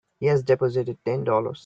He's deposited Ten Dollars.